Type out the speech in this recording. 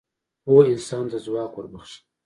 پوهه انسان ته ځواک وربخښي.